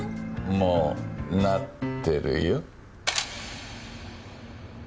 もうなってるよ。